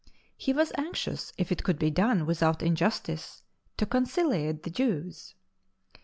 He was anxious, if it could be done without injustice, to conciliate the Jews.